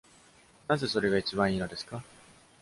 なぜそれが一番良いのですか？